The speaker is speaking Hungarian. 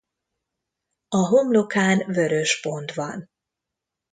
A homlokán vörös pont van.